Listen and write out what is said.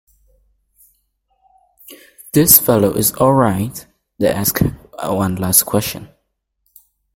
“This fellow is all right.” They asked one last question.